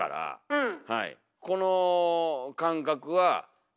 うん。